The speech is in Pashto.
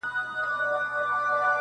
په هکله برابره کړې او کنه